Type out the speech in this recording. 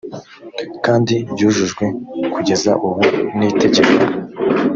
kandi ryujujwe kugeza ubu n itegeko